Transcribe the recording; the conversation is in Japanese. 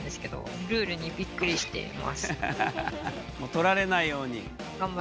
取られないように。